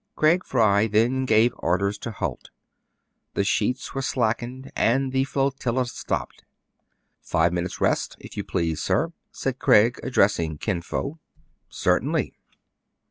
Craig Fry then gave orders to halt. The sheets were slackened, and the flotilla stopped. *' Five minutes' rest, if you please, sir," said Craig, addressing Kin Fo. " Certainly.